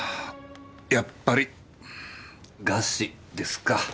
やっぱり「餓死」ですか。